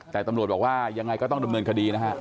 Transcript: แต่ตำรวจบอกว่ายังไงก็ต้องดำเนินคดีนะฮะ